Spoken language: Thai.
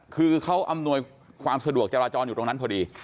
คือเขาอำนวยความสะดวกจราจรอยู่ตรงนั้นพอดี